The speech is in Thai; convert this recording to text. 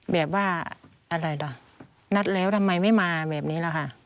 แบบว่าอะไรล่ะนัดแล้วทำไมไม่มาแบบนี้ล่ะค่ะ